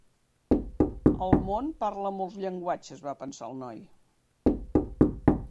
El món parla molts llenguatges, va pensar el noi.